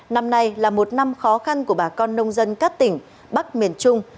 năm nay là một năm khó khăn của bà con nông dân các tỉnh bắc miền trung